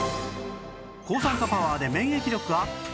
抗酸化パワーで免疫力アップ！